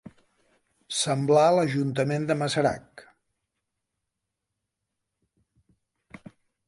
Semblar l'Ajuntament de Masarac.